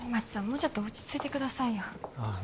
もうちょっと落ち着いてくださいよああ